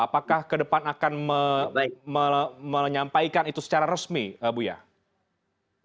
apakah ke depan akan menyampaikan itu secara resmi buya